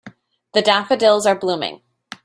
The daffodils are blooming.